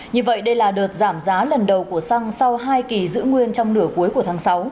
như vậy đây là đợt giảm giá lần đầu của xăng sau hai kỳ giữ nguyên trong nửa cuối của tháng sáu